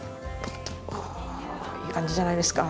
おいい感じじゃないですか。